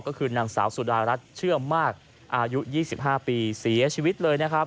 ก็คือนางสาวสุดารัฐเชื่อมากอายุ๒๕ปีเสียชีวิตเลยนะครับ